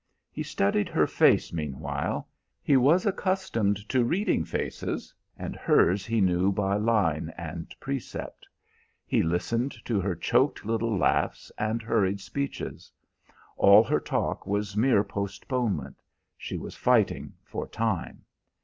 He studied her face meanwhile; he was accustomed to reading faces, and hers he knew by line and precept. He listened to her choked little laughs and hurried speeches. All her talk was mere postponement; she was fighting for time.